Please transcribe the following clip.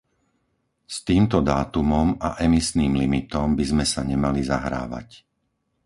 S týmto dátumom a emisným limitom by sme sa nemali zahrávať.